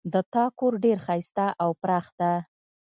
د تا کور ډېر ښایسته او پراخ ده